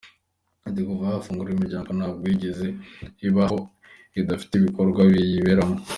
Ati “Kuva yafungura imiryango ntabwo yigeze iba aho idafite ibikorwa biyiberamo.